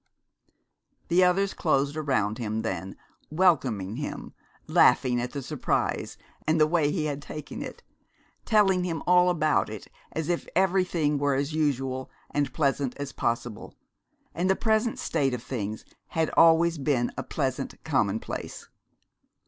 The others closed around him then, welcoming him, laughing at the surprise and the way he had taken it, telling him all about it as if everything were as usual and pleasant as possible, and the present state of things had always been a pleasant commonplace.